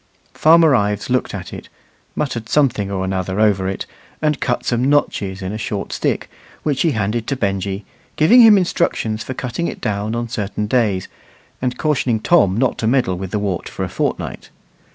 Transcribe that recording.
Farmer Ives looked at it, muttered something or another over it, and cut some notches in a short stick, which he handed to Benjy, giving him instructions for cutting it down on certain days, and cautioning Tom not to meddle with the wart for a fortnight.